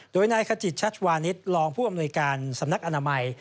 โดยนายขจิตชัชวานิสรองผู้อำนวยการสำนักอนามัย